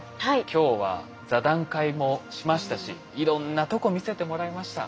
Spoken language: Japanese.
今日は座談会もしましたしいろんなとこ見せてもらいました。